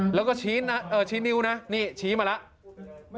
แล้วก็ชี้นิ้วนะนี่ชี้มาแล้ว